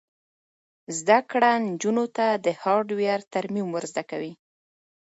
زده کړه نجونو ته د هارډویر ترمیم ور زده کوي.